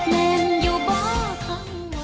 แม่งอยู่บ้าทั้งวัน